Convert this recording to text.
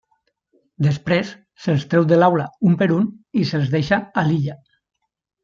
Després, se'ls treu de l'aula un per un i se'ls deixa a l'illa.